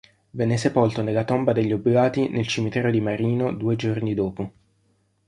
Venne sepolto nella tomba degli oblati nel cimitero di Marino due giorni dopo.